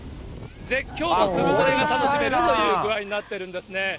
絶叫とずぶぬれが楽しめるという具合になってるんですね。